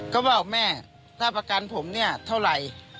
ก็บอกแม่ถ้าประกันผมเนี่ยเท่าไหร่